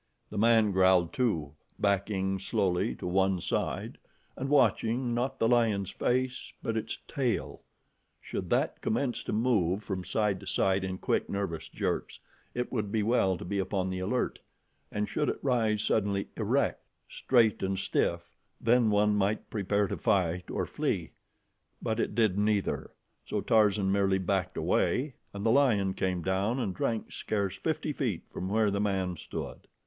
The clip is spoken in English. The man growled, too, backing slowly to one side, and watching, not the lion's face, but its tail. Should that commence to move from side to side in quick, nervous jerks, it would be well to be upon the alert, and should it rise suddenly erect, straight and stiff, then one might prepare to fight or flee; but it did neither, so Tarzan merely backed away and the lion came down and drank scarce fifty feet from where the man stood.